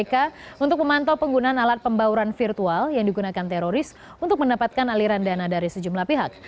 untuk memantau penggunaan alat pembauran virtual yang digunakan teroris untuk mendapatkan aliran dana dari sejumlah pihak